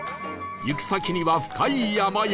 行く先には深い山々が